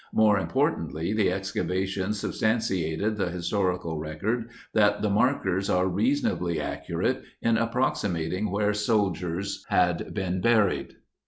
More importanjJ*<^ the excavations substantiated the historical record thatthe markers'are reasonably accu rate in approximating where soldiers had been buried.